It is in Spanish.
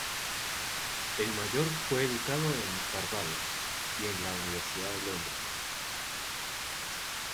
El mayor fue educado en Barbados y en la Universidad de Londres.